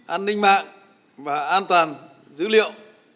an ninh mạng và an toàn dữ liệu